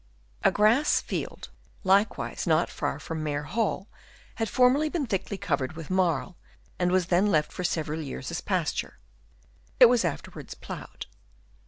A grass field, likewise not far from Maer Hall, had formerly been thickly covered with marl, and was then left for several years as pasture ; it was afterwards ploughed.